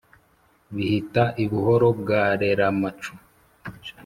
Bihita i Buhoro bwa Reramacu